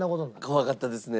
怖かったですね。